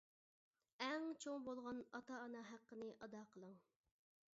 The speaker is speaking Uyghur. ئەڭ چوڭ بولغان ئاتا-ئانا ھەققىنى ئادا قىلىڭ.